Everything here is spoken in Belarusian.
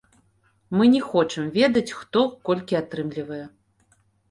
Мы не хочам ведаць, хто колькі атрымлівае.